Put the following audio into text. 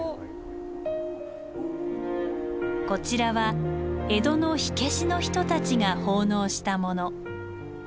こちらは江戸の火消しの人たちが奉納したもの。